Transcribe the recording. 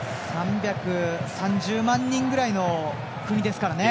３３０万人ぐらいの国ですからね。